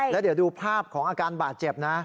แล้วเดี๋ยวดูภาพของอาการบาดเจ็บนะ